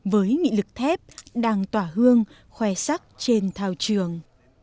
với nghị lực thép đàng tỏa hương khoe sắc trên thào trường